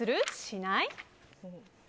しない？